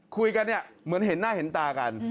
คุยกันเนี่ยเหมือนเห็นหน้าเห็นตากัน